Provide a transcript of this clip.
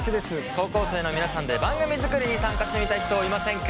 高校生の皆さんで番組作りに参加してみたい人はいませんか？